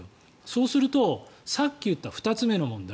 そうするとさっき言った２つ目の問題